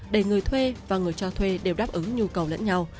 để người thuê và người cho thuê đều đáp ứng nhu cầu lẫn nhau